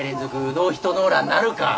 ノーヒットノーランなるか。